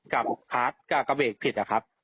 กับคาร์ดกับเบรกผิดอ่ะครับ